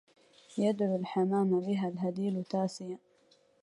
يدعو الحمام بها الهديل تأسيا